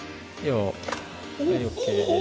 はいＯＫ。